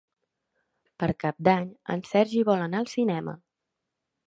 Per Cap d'Any en Sergi vol anar al cinema.